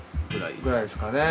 ぐらいっすかね。